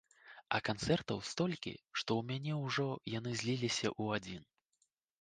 А канцэртаў столькі, што ў мяне ўжо яны зліліся ў адзін.